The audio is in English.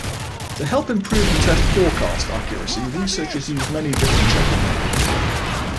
To help improve and test forecast accuracy researchers use many different checking methods.